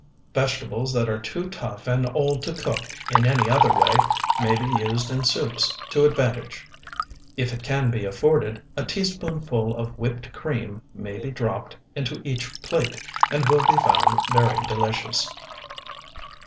Vegetables that are too tough and old to cook in any other way may be used in soups to advantage. If it can be afforded, a teaspoonful of whipped cream may be dropped into each plate, and will be found very delicious.